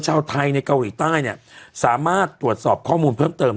ชาวไทยในเกาหลีใต้เนี่ยสามารถตรวจสอบข้อมูลเพิ่มเติม